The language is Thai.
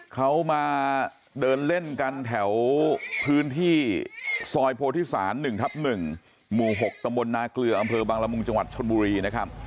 เขามาเดินเล่นกันแถวพื้นที่ซอยโพธิศาล๑ทับ๑หมู่๖ตำบลนาเกลืออำเภอบังละมุงจังหวัดชนบุรีนะครับ